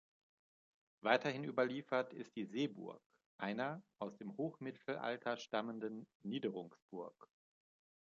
Weiterhin überliefert ist die "Seeburg", einer, aus dem Hochmittelalter stammenden Niederungsburg.